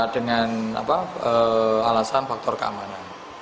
dengan alasan faktor keamanan